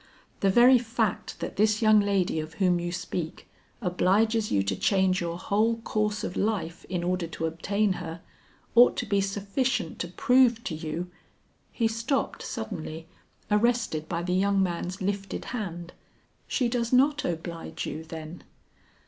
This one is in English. The very fact that this young lady of whom you speak, obliges you to change your whole course of life in order to obtain her, ought to be sufficient to prove to you " He stopped suddenly, arrested by the young man's lifted hand. "She does not oblige you, then?"